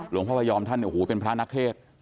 หลวงพระพยอมเป็นพระนักเทศ